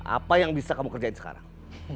apa yang bisa kamu kerjain sekarang